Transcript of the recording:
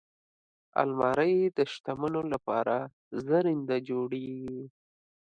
الماري د شتمنو لپاره زرینده جوړیږي